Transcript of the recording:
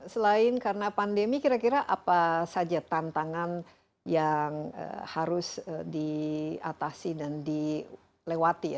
selain karena pandemi kira kira apa saja tantangan yang harus diatasi dan dilewati ya